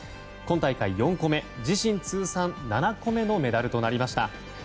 今大会４個目、自身通算７個目のメダルとなりました。